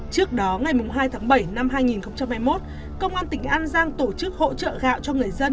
trước đó ngày hai tháng bảy năm hai nghìn hai mươi một công an tỉnh an giang tổ chức hỗ trợ gạo cho người dân